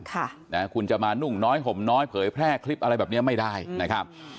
ค่ะนะคุณจะมานุ่งน้อยห่มน้อยเผยแพร่คลิปอะไรแบบเนี้ยไม่ได้นะครับ